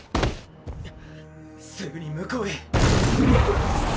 すぐに向こうへ！